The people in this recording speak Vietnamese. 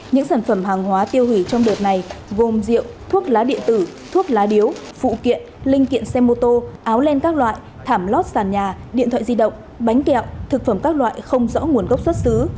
những sản phẩm hàng hóa tiêu hủy trong đợt này gồm rượu thuốc lá điện tử thuốc lá điếu phụ kiện linh kiện xe mô tô áo len các loại thảm lót sàn nhà điện thoại di động bánh kẹo thực phẩm các loại không rõ nguồn gốc xuất xứ